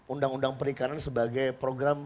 undang undang perikanan sebagai program